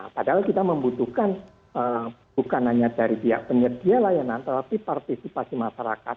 padahal kita membutuhkan bukan hanya dari pihak penyedia layanan tetapi partisipasi masyarakat